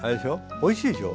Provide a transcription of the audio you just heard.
おいしいでしょ？